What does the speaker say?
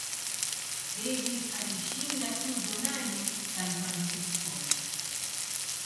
Davis alishinda tuzo nane San Francisco.